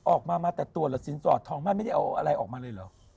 ออกมามาแต่ตัวเหรอสินสอดทองมั่นไม่ได้เอาอะไรออกมาเลยเหรอ